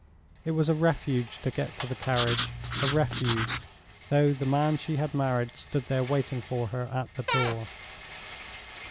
It was a refuge to get to the carriage—a refuge, though the man she had married stood there waiting for her at the door.